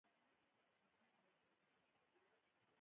هر څه ثبت ته اړ شول.